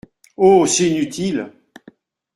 Oh ! c’est inutile.